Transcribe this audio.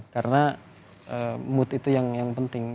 karena mood itu yang penting